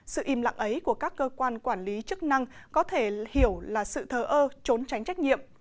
sự im lặng ấy của các cơ quan quản lý chức năng có thể hiểu là sự thờ ơ trốn tránh trách nhiệm